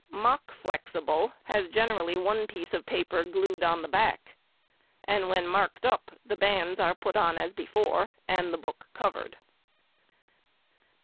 "Mock flexible" has generally one piece of paper glued on the back, and when marked up, the bands are put on as before, and the book covered.